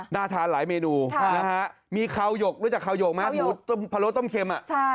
น่าทานหลายเมนูมีขาวหยกรู้จักขาวหยกไหมผัวโล้ต้มเค็ม